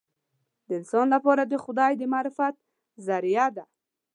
د انسان لپاره د خدای د معرفت ذریعه ده.